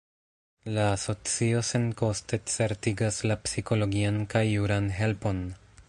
La asocio senkoste certigas la psikologian kaj juran helpon.